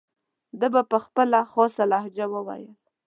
ده به په خپله خاصه لهجه وویل.